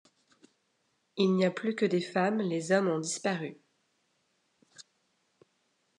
Il n'y a plus que des femmes, les hommes ont disparu.